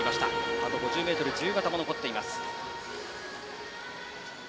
あと５０ｍ自由形も残っています。